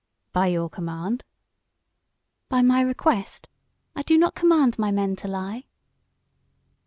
"By your command?" "By my request. I do not command my men to lie."